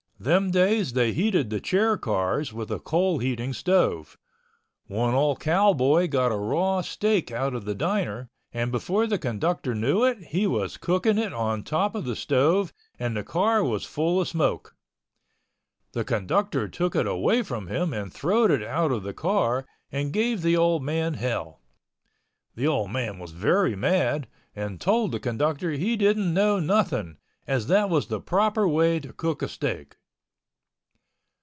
Them days they heated the chair cars with a coal heating stove. One old cowboy got a raw steak out of the diner, and before the conductor knew it he was cooking it on top of the stove and the car was full of smoke. The conductor took it away from him and throwed it out of the car and gave the old man hell. The old man was very mad and told the conductor he didn't know nothing, as that was the proper way to cook a steak.